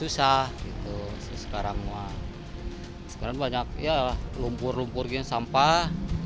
sekarang banyak lumpur lumpur sampah